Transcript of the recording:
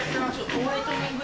ホワイトニング。